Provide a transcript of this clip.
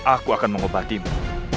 aku akan mengobatimu